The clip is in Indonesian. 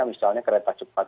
misalnya kereta cepat